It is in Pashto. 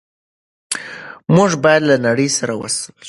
موږ باید له نړۍ سره وصل شو.